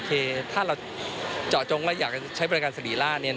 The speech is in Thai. โอเคถ้าเราเจาะจงว่าอยากใช้บริการสรีราชนี้